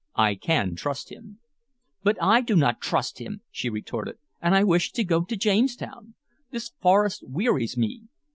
I can trust him." "But I do not trust him!" she retorted. "And I wish to go to Jamestown. This forest wearies me."